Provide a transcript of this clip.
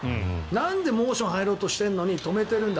なんでモーション入ろうとしているのに止めてるんだ。